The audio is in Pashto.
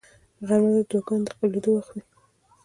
غرمه د دعاګانو د قبلېدو وخت وي